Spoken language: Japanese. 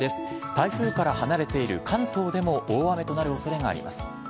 台風から離れている関東でも大雨となるおそれがあります。